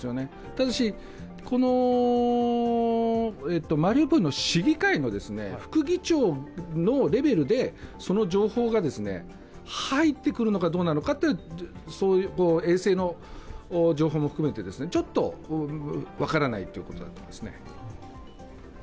ただし、マリウポリの市議会の副議長のレベルでその情報が入ってくるのかどうなのか、衛星の情報も含めてちょっと、分からないということなんですね。